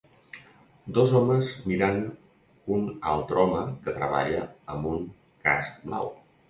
Dos homes mirant un altre home que treballa amb un casc blau.